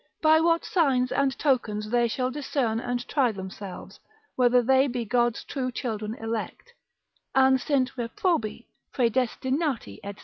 by what signs and tokens they shall discern and try themselves, whether they be God's true children elect, an sint reprobi, praedestinati, &c.